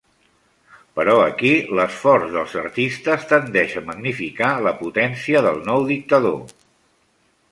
Però aquí, l'esforç dels artistes tendeix a magnificar la potència del nou dictador.